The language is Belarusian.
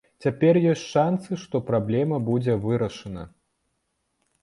Цяпер ёсць шанцы, што праблема будзе вырашана.